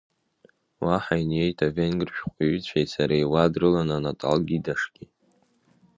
Уа ҳаиниеит авенгр шәҟәҩҩцәеи сареи, уа дрылан Анатал Гидашгьы.